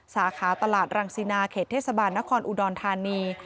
สาขาตลาดรังสินาเขตเทศบาลนครอุดรธานี